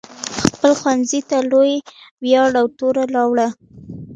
خپل ښوونځي ته یې لوی ویاړ او توره راوړه.